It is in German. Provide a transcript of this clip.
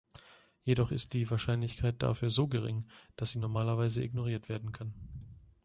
Jedoch ist die Wahrscheinlichkeit dafür so gering, dass sie normalerweise ignoriert werden kann.